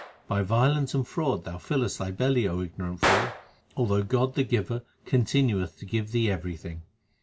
By violence and fraud thou fillest thy belly, O ignorant fool, Although God the Giver continueth to give thee everything.